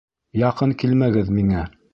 Яҡын килмәгеҙ миңә!